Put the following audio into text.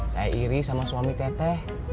saya iri sama suami teteh